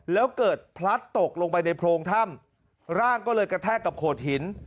แล้วเกิดพลัดตกลงไปในโพรงถ้ำร่างก็เลยกระแทกกับโขดหิน